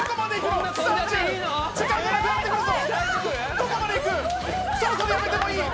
どこまで行くの！